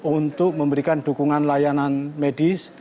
untuk memberikan dukungan layanan medis